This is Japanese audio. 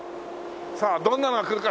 さあどんなのが来るか